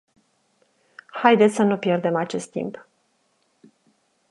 Haideți să nu pierdem acest timp.